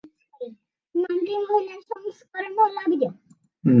নামটির মহিলা সংস্করণ হলো আবিদা।